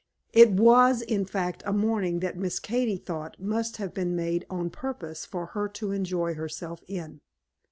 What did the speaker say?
It was, in fact, a morning that Miss Katy thought must have been made on purpose for her to enjoy herself in.